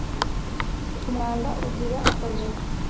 umwanda ugira akazu